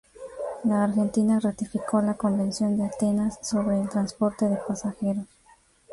La Argentina ratificó la Convención de Atenas sobre el transporte de pasajeros.